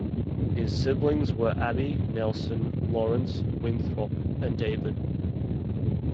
His siblings were Abby, Nelson, Laurance, Winthrop, and David.